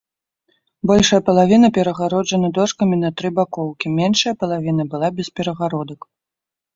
Большая палавіна перагароджана дошкамі на тры бакоўкі, меншая палавіна была без перагародак.